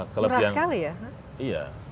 kurang sekali ya